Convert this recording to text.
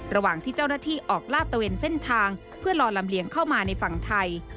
ระหว่างที่เจ้าหน้าที่ออกลาดตะเวนเส้นทางเพื่อรอลำเลียงเข้ามาในฝั่งไทย